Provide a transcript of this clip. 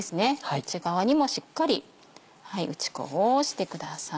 内側にもしっかり打ち粉をしてください。